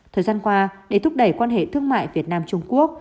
thời gian qua để thúc đẩy quan hệ thương mại việt nam trung quốc